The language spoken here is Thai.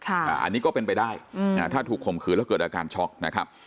อันนี้ก็เป็นไปได้ถ้าถูกข่มขืนแล้วเกิดอาการช็อกนะครับ